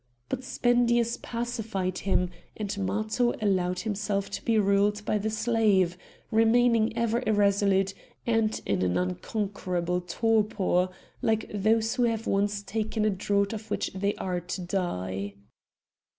But Spendius pacified him, and Matho allowed himself to be ruled by the slave, remaining ever irresolute and in an unconquerable torpor, like those who have once taken a draught of which they are to die.